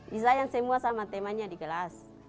di sayang semua sama temanya di kelas